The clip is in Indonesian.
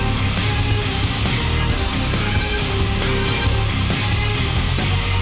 harga tulisan'ren tiga juta'